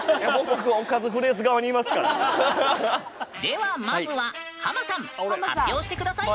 ではまずはハマさん発表して下さい。